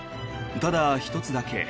ただ、１つだけ。